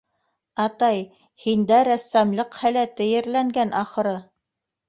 Атай, һиндә рәссамлыҡ һәләте ерләнгән, ахыры.